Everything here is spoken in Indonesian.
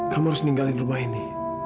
kamu harus meninggalin rumah ini